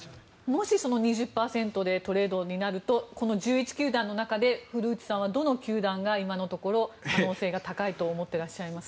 もしその２０％でトレードになるとこの１１球団の中で古内さんはどの球団が今のところ、可能性が高いと思ってらっしゃいますか？